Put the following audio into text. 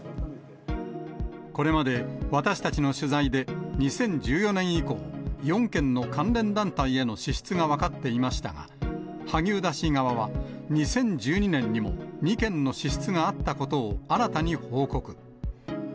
これまで私たちの取材で、２０１４年以降、４件の関連団体への支出が分かっていましたが、萩生田氏側は、２０１２年にも２件の支出があったことを新たに報告。